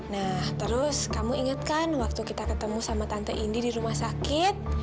nah terus kamu ingatkan waktu kita ketemu sama tante indi di rumah sakit